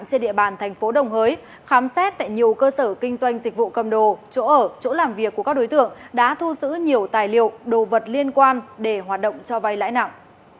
trên địa bàn thành phố đồng hới khám xét tại nhiều cơ sở kinh doanh dịch vụ cầm đồ chỗ ở chỗ làm việc của các đối tượng đã thu giữ nhiều tài liệu đồ vật liên quan để hoạt động cho vay lãi nặng